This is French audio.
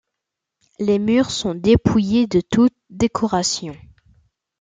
Les murs sont dépouillés de toute décoration.